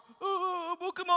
ぼくも。